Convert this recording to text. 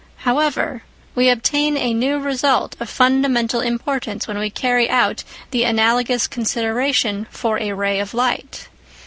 However, we obtain a new result of fundamental importance when we carry out the analogous consideration for a ray of light.